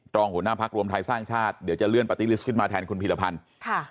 รองหัวหน้าพักรวมไทยสร้างชาติเดี๋ยวจะเลื่อนปาร์ตี้ลิสต์ขึ้นมาแทนคุณพีรพันธ์ค่ะ